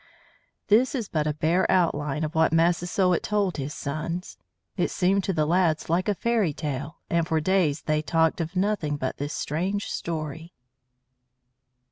This is but a bare outline of what Massasoit told his sons. It seemed to the lads like a fairy tale, and for days they talked of nothing but this strange story.